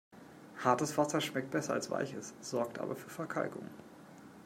Hartes Wasser schmeckt besser als weiches, sorgt aber für Verkalkung.